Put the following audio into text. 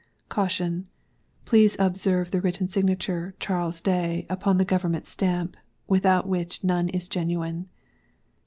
CAUTION.ŌĆöPlease to observe the written Signature (CHARLES DAY), upon the Government Stamp, without which none is genuine.